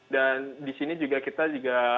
dan di sini juga kita diberikan